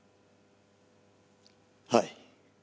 はい。